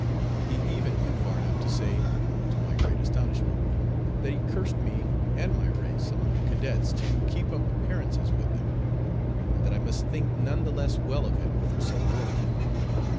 He even went far enough to say, to my great astonishment, that he cursed me and my race among the cadets to keep up appearances with them, and that I must think none the less well of him for so doing.